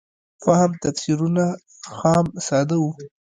فهم تفسیرونه خام ساده وو.